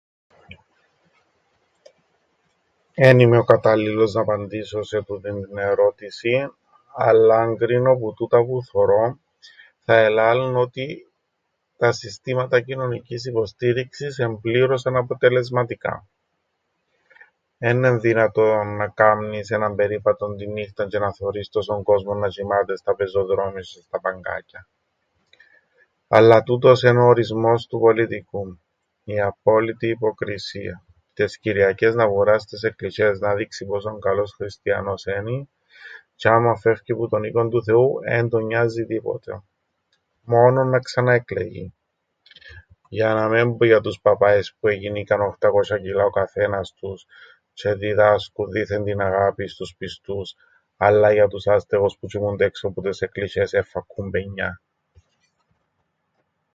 Εν είμαι ο κατάλληλος να απαντήσω σε τούτην την ερώτησην, αλλά, αν κρίνω που τούτα που θωρώ, θα ελάλουν ότι τα συστήματα κοινωνικής υποστήριξης εν' πλήρως αναποτελεσματικά. Έννεν' δυνατόν να κάμνεις έναν περίπατον την νύχταν τζ̆αι να θωρείς τόσον κόσμον να τζ̆οιμάται στα πεζοδρόμια τζ̆αι στα παγκάκια. Αλλά τούτος εν' ο ορισμός του πολιτικού: η απόλυτη υποκρισία. Τες Κυριακές να βουρά στες εκκλησ̆ιές να δείξει πόσον καλός χριστιανός ένι, τζ̆ι άμαν φεύκει που τον οίκον του θεού, εν τον νοιάζει τίποτε. Μόνον να ξαναεκλεγεί. Για να μεν πω για τους παπάες που εγινήκαν οχτακόσ̆α κιλά ο καθένας τους, τζ̆αι διδάσκουν δήθεν την αγάπην στους πιστούς, αλλά για τους άστεγους που τζ̆οιμούνται έξω που τες εκκλησ̆ιές εν φακκούν πενιάν.